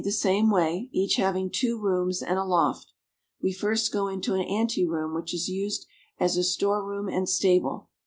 the same way, each having two rooms and a loft. We first go into an anteroom which is used as a storeroom and stable.